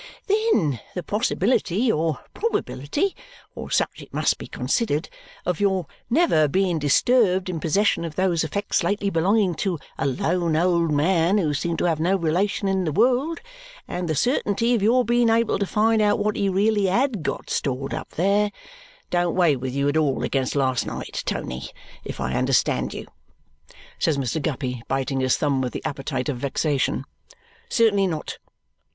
"Then the possibility or probability for such it must be considered of your never being disturbed in possession of those effects lately belonging to a lone old man who seemed to have no relation in the world, and the certainty of your being able to find out what he really had got stored up there, don't weigh with you at all against last night, Tony, if I understand you?" says Mr. Guppy, biting his thumb with the appetite of vexation. "Certainly not.